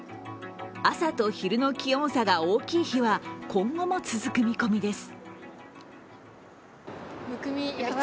朝と昼の気温差が大きい日は今後も続く見込みです。